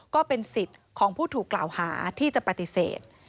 ก็เป็นสิทธิ์ของผู้ถูกกล่าวหาที่จะปฏิเสธ